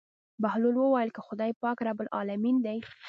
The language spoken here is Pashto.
بهلول وويل که خداى پاک رب العلمين دى.